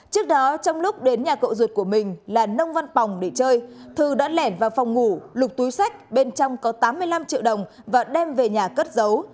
trước đó trong lúc đến nhà cậu ruột của mình là nông văn phòng để chơi thư đã lẻn vào phòng ngủ lục túi sách bên trong có tám mươi năm triệu đồng và đem về nhà cất giấu